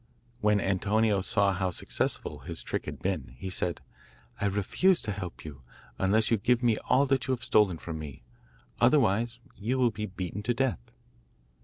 When Antonio saw how successful his trick had been, he said: 'I refuse to help you, unless you give me all that you have stolen from me, otherwise you will be beaten to death.